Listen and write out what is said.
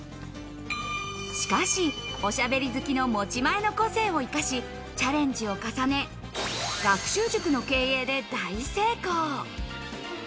しかし、おしゃべり好きの持ち前の個性を生かしチャレンジを重ね、学習塾の経営で大成功。